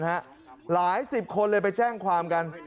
หลายสิบคนเลยไปแจ้งความกัน